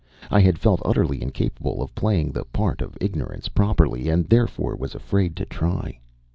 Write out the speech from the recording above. I had felt utterly incapable of playing the part of ignorance properly, and therefore was afraid to try.